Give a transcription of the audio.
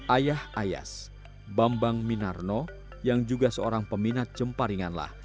ayah ayas bambang minarno yang juga seorang peminat jemparinganlah